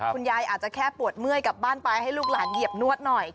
คุณยายอาจจะแค่ปวดเมื่อยกลับบ้านไปให้ลูกหลานเหยียบนวดหน่อย